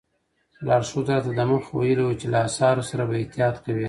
لارښود راته دمخه ویلي وو چې له اثارو سره به احتیاط کوئ.